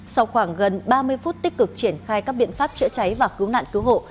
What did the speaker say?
sau khoảng gần ba mươi phút tích cực triển khai các biện pháp chữa cháy và cứu nạn cứu hộ